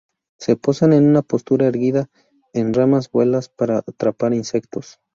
Se posan en una postura erguida en ramas, vuelan para atrapar insectos.